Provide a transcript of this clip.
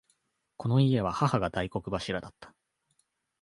この家は母が大黒柱だった。